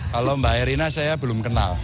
kalau mbak erina saya belum kenal